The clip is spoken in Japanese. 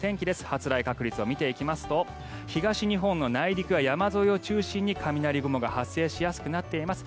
発雷確率を見ていきますと東日本の内陸や山沿いを中心に雷雲が発生しやすくなっています。